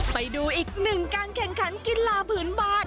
ไปดูอีกหนึ่งการแข่งขันกีฬาพื้นบ้าน